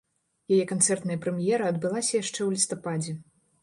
Яе канцэртная прэм'ера адбылася яшчэ ў лістападзе.